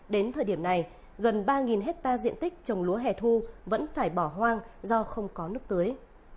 đến thời điểm này gần ba hectare diện tích trồng lúa hẻ thu vẫn phải bỏ hoang do không có nước tưới